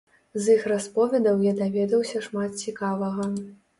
З іх расповедаў я даведаўся шмат цікавага.